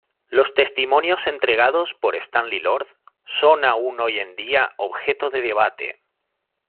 Los testimonios entregados por Stanley Lord son aún hoy en día objeto de debate.